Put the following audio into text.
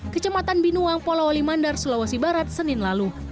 kecematan binuang pola wali mandar sulawesi barat senin lalu